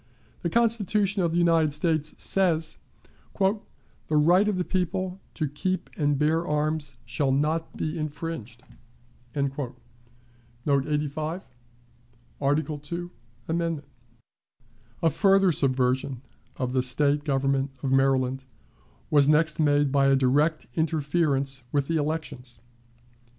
The Constitution of the United States says: "The right of the people to keep and bear arms shall not be infringed." A further subversion of the State government of Maryland was next made by a direct interference with the elections.